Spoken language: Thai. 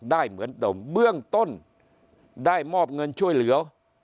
ได้เหมือนเดิมเบื้องต้นได้มอบเงินช่วยเหลือ